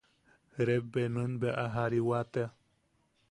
Rebbe nuen bea aa jariwa tea.